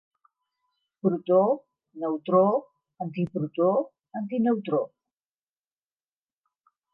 Protó, Neutró, Antiprotó, Antineutró.